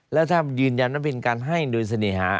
แล้วถ้ายืนยันว่าเป็นการให้โดยเสน่หา